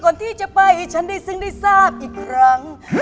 ก่อนที่จะไปให้ฉันได้ซึ้งได้ทราบอีกครั้ง